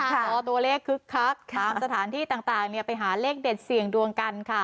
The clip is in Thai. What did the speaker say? พอตัวเลขคึกคักตามสถานที่ต่างไปหาเลขเด็ดเสี่ยงดวงกันค่ะ